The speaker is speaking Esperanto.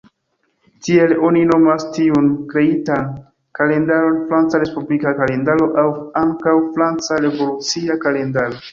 Tiel, oni nomas tiun kreitan kalendaron Franca respublika kalendaro aŭ ankaŭ Franca revolucia kalendaro.